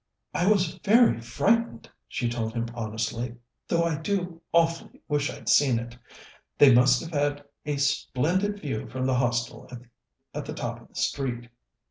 "I was very frightened," she told him honestly, "though I do awfully wish I'd seen it. They must have had a splendid view from the Hostel at the top of the street."